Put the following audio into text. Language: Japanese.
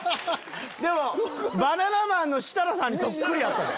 でもバナナマンの設楽さんにそっくりやったで。